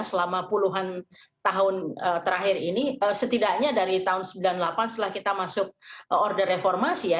selama puluhan tahun terakhir ini setidaknya dari tahun sembilan puluh delapan setelah kita masuk order reformasi ya